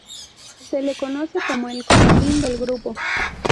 Se le conoce como el "comodín" del grupo.